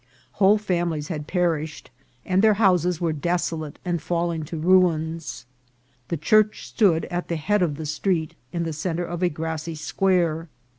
Whole families had perished, and their houses were desolate and falling to ruins. The church stood at the A PROJECTOR. head of the street, in the centre of a grassy square.